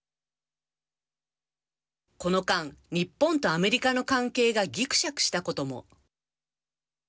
この間、日本とアメリカの関係がぎくしゃくしたことも。